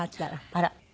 あら。